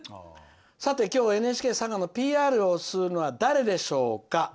「さて、今日はＮＨＫ佐賀のＰＲをするのは誰でしょうか。